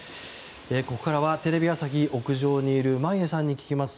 ここからはテレビ朝日屋上にいる眞家さんに聞きます。